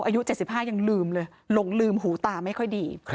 อายุ๗๕ยังลืมเลยหลงลืมหูตาไม่ค่อยดี